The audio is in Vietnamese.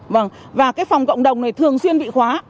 vâng và cái phòng cộng đồng này thường xuyên bị khóa